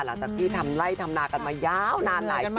หลังจากที่ทำไล่ทำนากันมายาวนานหลายปี